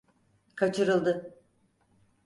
Kaçırıldı.